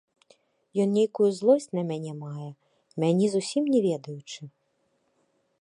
Ён нейкую злосць на мяне мае, мяне зусім не ведаючы.